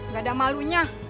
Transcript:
gak ada malunya